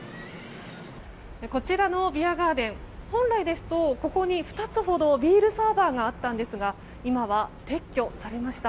こちらのビアガーデン本来ですとここに２つほどビールサーバーがあったんですが今は、撤去されました。